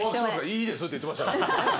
いいですって言ってましたから。